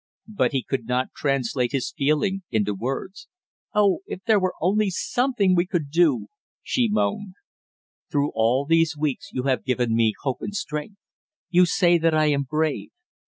But he could not translate his feeling into words. "Oh, if there were only something we could do!" she moaned. "Through all these weeks you have given me hope and strength! You say that I am brave!